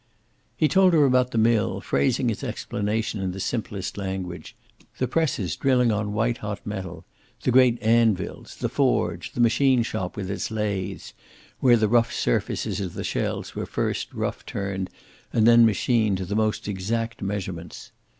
He told her about the mill, phrasing his explanation in the simplest language; the presses drilling on white hot metal; the great anvils; the forge; the machine shop, with its lathes, where the rough surfaces of the shells were first rough turned and then machined to the most exact measurements.